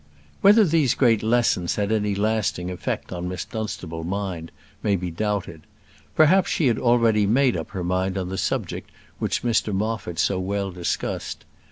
Whether these great lessons had any lasting effect on Miss Dunstable's mind may be doubted. Perhaps she had already made up her mind on the subject which Mr Moffat so well discussed.